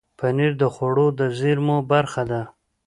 پنېر د خوړو د زېرمو برخه ده.